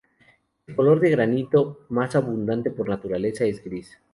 El color de granito más abundante por naturaleza es el gris.